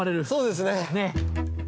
そうですね。